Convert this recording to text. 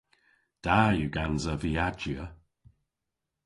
Da yw gansa viajya.